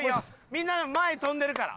みんな前に飛んでるから。